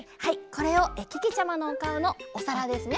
これをけけちゃまのおかおのおさらですね